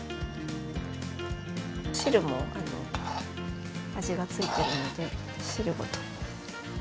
汁も味がついてるので汁ごと。